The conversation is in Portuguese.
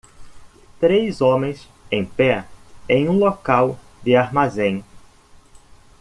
três homens em pé em um local de armazém.